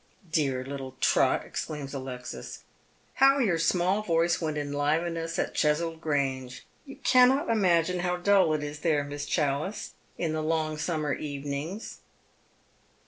" Dear little Trot," exclaims Alexis, " how your small voice would enliven us at Clieswold Grange. You cannot imagine how dull it is there, Miss Challice, in the long summer evenings."